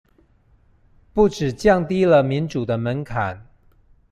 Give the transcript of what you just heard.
不只降低了民主的門檻